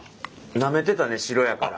なめてたね白やから。